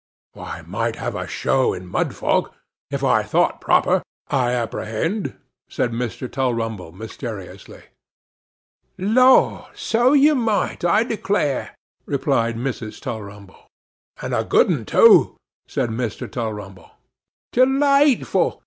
'I might have a show in Mudfog, if I thought proper, I apprehend,' said Mr. Tulrumble mysteriously. 'Lor! so you might, I declare,' replied Mrs. Tulrumble. 'And a good one too,' said Mr. Tulrumble. 'Delightful!